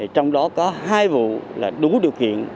trong đó có hai vụ là đúng điều kiện